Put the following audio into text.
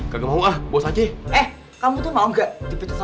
ke trung purpose aja eh kamu itu mau nggak dippartai mau